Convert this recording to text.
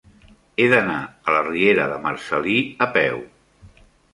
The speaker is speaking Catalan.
He d'anar a la riera de Marcel·lí a peu.